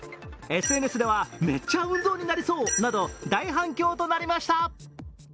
ＳＮＳではめっちゃ運動になりそうなど大反響となりました。